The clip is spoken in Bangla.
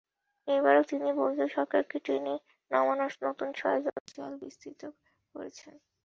এবারও তিনি বৈধ সরকারকে টেনে নামানোর নতুন ষড়যন্ত্রের জাল বিস্তৃত করছেন।